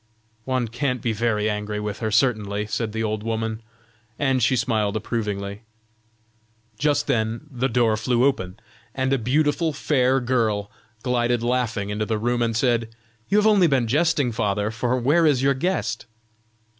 "One can't be very angry with her, certainly," said the old woman, and she smiled approvingly. Just then the door flew open, and a beautiful, fair girl glided laughing into the room, and said "You have only been jesting, father, for where is your guest?"